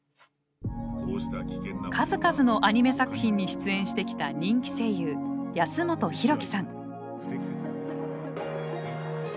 数々のアニメ作品に出演してきた人気声優安元洋貴さん。